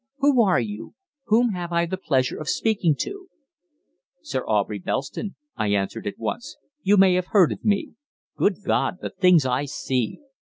Who are you? Whom have I the pleasure of speaking to?" "Sir Aubrey Belston," I answered at once. "You may have heard of me. Good God the things I see!"